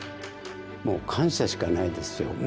もう感謝しかないですよ。